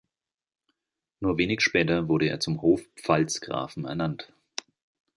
Nur wenig später wurde er zum Hofpfalzgrafen ernannt.